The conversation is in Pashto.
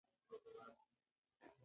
که هنر وي نو ژوند نه بدرنګیږي.